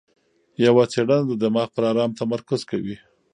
یوه څېړنه د دماغ پر ارام تمرکز کوي.